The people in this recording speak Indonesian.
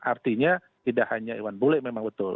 artinya tidak hanya iwan bule memang betul